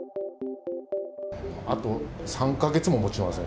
あと３か月ももちません。